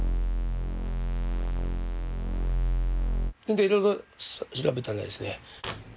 でいろいろ調べたらですね。